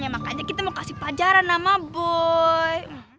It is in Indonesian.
ya makanya kita mau kasih pacaran sama boy